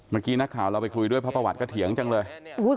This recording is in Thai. เมื่อกี้นักข่าวเราไปคุยด้วยเพราะประวัติก็เถียงจังเลย